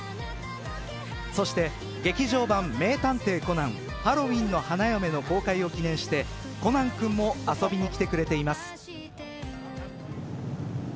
そして劇場版名探偵コナンハロウィンの花嫁の公開を記念してコナン君も遊びに来てくれています。